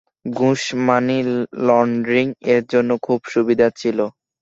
ঘুষ, money laundering এর জন্য খুব সুবিধা ছিল।